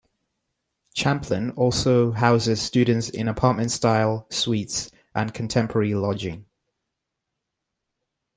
Champlain also houses students in apartment-style suites and contemporary lodging.